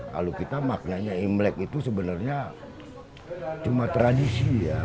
kalau kita maknanya imlek itu sebenarnya cuma tradisi ya